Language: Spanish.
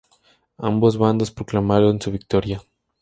Ambos bandos proclamaron su victoria.